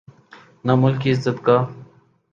نہ ملک کی عزت کا۔